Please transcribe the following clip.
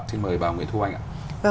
xin mời bà nguyễn thu anh